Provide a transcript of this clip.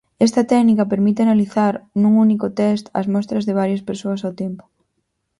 Esta técnica permite analizar nun único test as mostras de varias persoas ao tempo.